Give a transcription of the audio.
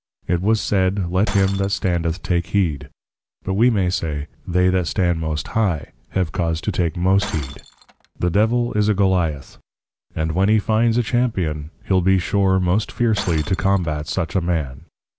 It was said, let him that standeth take heed; but we may say, They that stand most high, have cause to take most heed. The Devil is a Goliah; and when he finds a Champion, he'l be sure most fiercely to Combate such a Man.